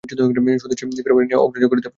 সতীশের পীড়াপীড়ি বিনয় অগ্রাহ্য করিতে পারিল না।